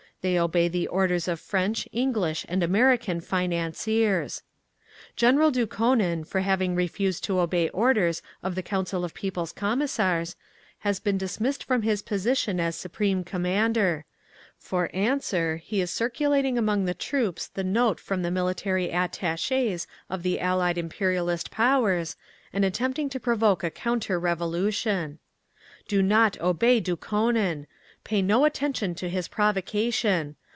They obey the orders of French, English and American financiers…. "General Dukhonin, for having refused to obey orders of the Council of People's Commissars, has been dismissed from his position as Supreme Commander…. For answer he is circulating among the troops the note from the Military Attachés of the Allied imperialist Powers, and attempting to provoke a counter revolution…. "Do not obey Dukhonin! Pay no attention to his provocation!